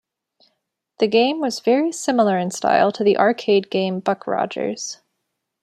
The game was very similar in style to the arcade game "Buck Rogers".